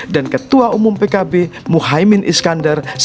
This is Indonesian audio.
dan ketua umum pkb muhaymin iskandar